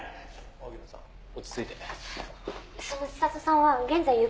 「荻野さん落ち着いて」